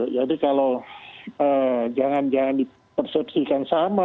jadi kalau jangan jangan dipersepsikan sama